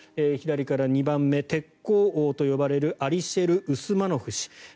左から２番目鉄鋼王と呼ばれるアリシェル・ウスマノフ氏。